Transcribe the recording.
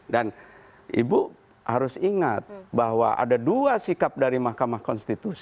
dan ibu harus ingat bahwa ada dua sikap dari mahkamah konstitusi